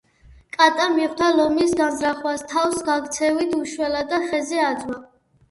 კატა მიხვდა ლომის განზრახვას, თავს გაქცევით უშველა და ხეზე აძვრა